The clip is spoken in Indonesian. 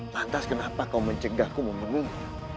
lantas kenapa kau mencegahku memenuhi